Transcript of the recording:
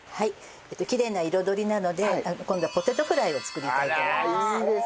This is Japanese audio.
きれいな彩りなので今度はポテトフライを作りたいと思います。